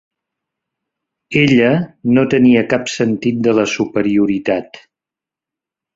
Ella no tenia cap sentit de la superioritat.